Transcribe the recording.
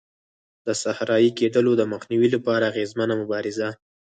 د صحرایې کېدلو د مخنیوي لپاره اغېزمنه مبارزه.